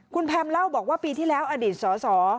คุณแพมเล่าบอกว่าปีที่แล้วอดีตสอสอ